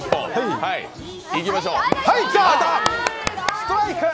ストライクー！